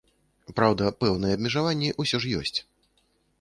Праўда, пэўныя абмежаванні ўсё ж ёсць.